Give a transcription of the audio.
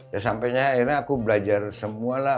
ya sampainya akhirnya aku belajar semua lah